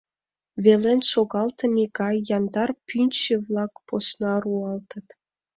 Велен шогалтыме гай яндар пӱнчӧ-влак посна руалтыт.